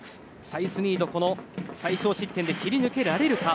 サイスニード、最少失点で切り抜けられるか。